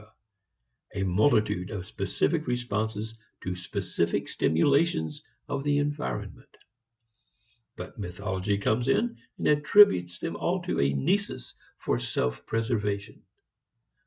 a multitude of specific responses to specific stimulations of the environment. But mythology comes in and attributes them all to a nisus for self preservation.